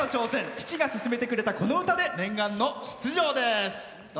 父がすすめてくれたこの歌で念願の出場です。